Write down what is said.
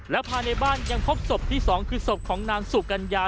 และภายในบ้านยังพบศพที่๒คือศพของนางสุกัญญา